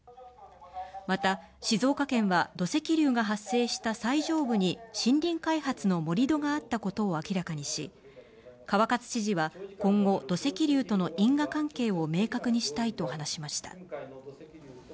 また、静岡県は土砂流が発生した最上部に森林開発の盛り土があったことを明らかにし川勝知事は今後土砂流との因果関係を明確にしたいと話しました。